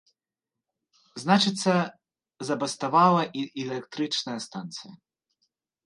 Значыцца, забаставала і электрычная станцыя.